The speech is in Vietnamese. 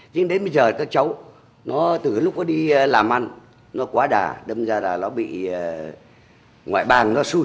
chứ đến bây giờ các cháu nó từ lúc có đi làm ăn nó quá đà đâm ra là nó bị ngoại bàng nó xui